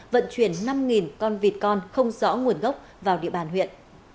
vận chuyển năm con vịt con không rõ nguồn gốc vào địa bàn huyện